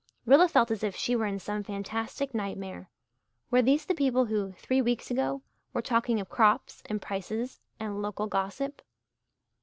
Rilla felt as if she were in some fantastic nightmare. Were these the people who, three weeks ago, were talking of crops and prices and local gossip?